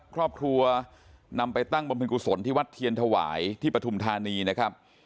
ครอบครัวนำไปตั้งบำเพ็ญกุศลที่วัดเทียนถวายที่ปฐุมธานีนะครับ